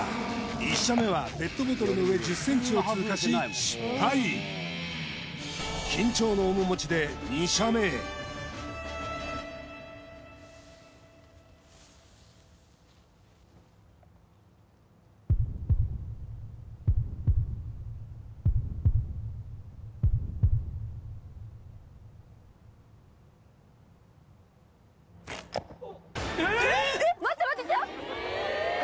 １射目はペットボトルの上１０ｃｍを通過し失敗緊張の面持ちで２射目へえっ待って！